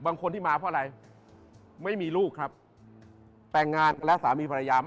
บางคนที่มาเพราะอะไรไม่มีลูกครับแต่งงานและสามีภรรยา